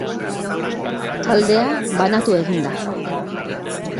Taldea banatu egin da.